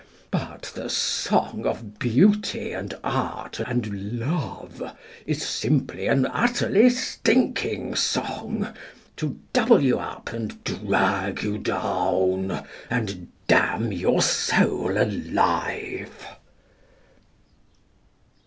But the song of Beauty and Art and Love Is simply an utterly stinking song, To double you up and drag you down And damn your soul alive.